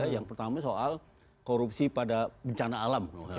yang pertama soal korupsi pada bencana alam